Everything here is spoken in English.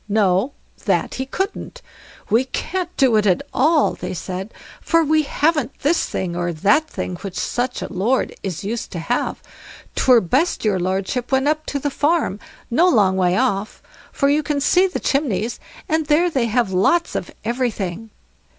No; that he couldn't. "We can't do it at all", they said, "for we haven't this thing or that thing which such a lord is used to have; 'twere best your lordship went up to the farm, no long way off, for you can see the chimneys, and there they have lots of everything."